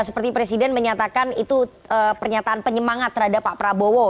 seperti presiden menyatakan itu pernyataan penyemangat terhadap pak prabowo